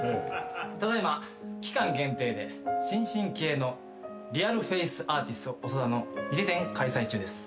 ただいま期間限定で新進気鋭のリアルフェイスアーティスト長田の似て展開催中です。